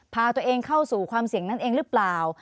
พาตัวเองเข้าสู่ความเสี่ยงนั่นเองหรือเปล่า